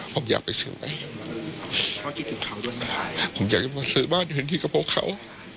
ผมอยากไปซื้อไหนผมอยากจะมาซื้อบ้านอยู่ที่กระโพกเขา